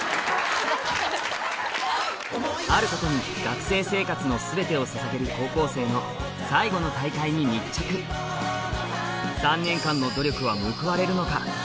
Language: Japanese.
あることに学生生活の全てをささげる高校生の最後の大会に密着３年間の努力は報われるのか？